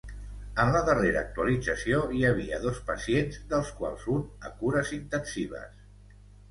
En la darrera actualització hi havia dos pacients, dels quals un a cures intensives.